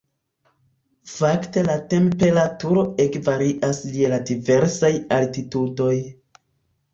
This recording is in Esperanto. Fakte la temperaturo ege varias je la diversaj altitudoj.